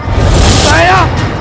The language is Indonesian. jangan bunuh saya